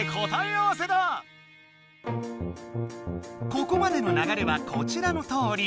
ここまでのながれはこちらのとおり。